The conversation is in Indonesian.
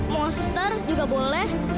monster juga boleh